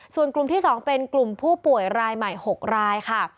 ส่วนกลุ่มที่๒เป็นกลุ่มผู้ป่วยรายใหม่๖รายค่ะ